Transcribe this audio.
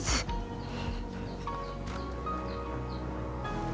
dia orangnya juga berkem expense r dynamo keve